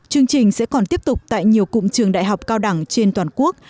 chương trình sẽ còn tiếp tục tại nhiều cụm trường đại học cao đẳng trên toàn quốc